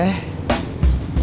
nih langit malem